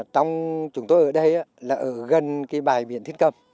trong chúng tôi ở đây là ở gần cái bãi biển thiên cầm